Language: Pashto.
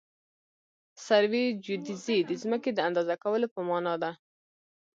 سروي جیودیزي د ځمکې د اندازه کولو په مانا ده